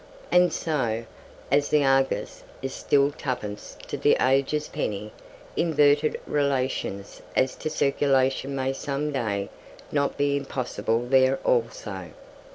And so, as "The Argus" is still twopence to "The Age's" penny, inverted relations as to circulation may some day not be impossible there also.